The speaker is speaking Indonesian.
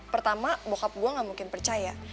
pertama bokap gue nggak mungkin percaya